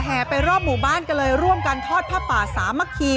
ไปรอบหมู่บ้านก็เลยร่วมกันทอดผ้าป่าสามัคคี